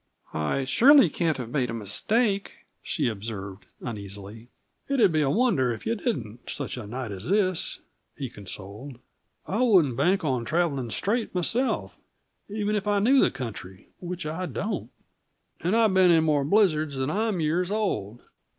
"I surely can't have made a mistake," she observed uneasily. "It would be a wonder if you didn't, such a night as this," he consoled. "I wouldn't bank on traveling straight myself, even if I knew the country which I don't. And I've been in more blizzards than I'm years old."